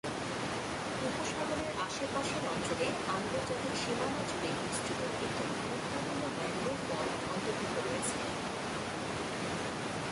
উপসাগরের আশেপাশের অঞ্চলে আন্তর্জাতিক সীমানা জুড়ে বিস্তৃত একটি গুরুত্বপূর্ণ ম্যানগ্রোভ বন অন্তর্ভুক্ত রয়েছে।